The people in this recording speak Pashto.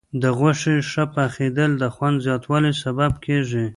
د غوښې ښه پخېدل د خوند زیاتوالي سبب کېږي.